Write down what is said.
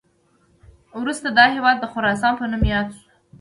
وروسته دا هیواد د خراسان په نوم یاد شو